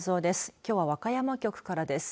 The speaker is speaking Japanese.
きょうは和歌山局からです。